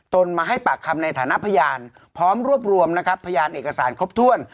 ตนมาให้ปากคำในฐานะพยานพร้อมรวบรวมนะครับพยานเอกสารครบถ้วน